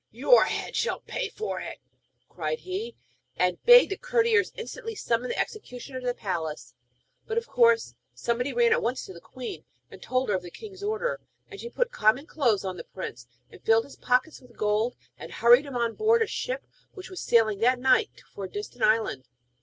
Your head shall pay for it!' cried he; and bade the courtiers instantly summon the executioner to the palace. But of course somebody ran at once to the queen, and told her of the king's order, and she put common clothes on the prince, and filled his pockets with gold, and hurried him on board a ship which was sailing that night for a distant island.